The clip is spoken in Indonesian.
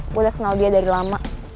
gue udah kenal dia dari lama